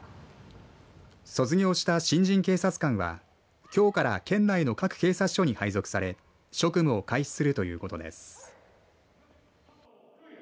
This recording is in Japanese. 卒業した新人警察官はきょうから県内の各警察署に配属され職務を開始するということです。